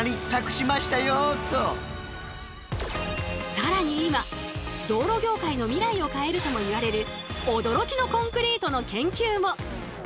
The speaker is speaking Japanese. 更に今道路業界の未来を変えるともいわれる驚きのコンクリートの研究も！